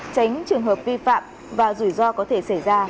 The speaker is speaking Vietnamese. tránh trường hợp vi phạm và rủi ro có thể xảy ra